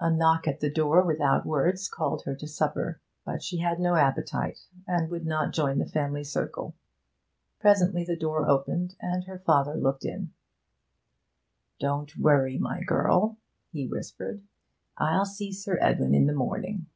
A knock at the door without words called her to supper, but she had no appetite, and would not join the family circle. Presently the door opened, and her father looked in. 'Don't worry, my girl,' he whispered. 'I'll see Sir Edwin in the morning.'